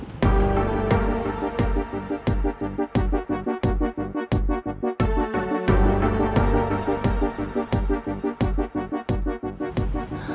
kalau ingat kejadian semalam bu